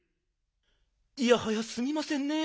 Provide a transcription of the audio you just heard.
いやはやすみませんね。